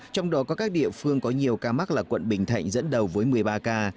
trong đó có các địa phương có nhiều ca mắc là quận bình thạnh dẫn đầu với một mươi ba ca